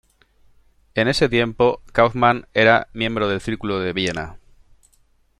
En ese tiempo Kaufmann era miembro del Círculo de Viena.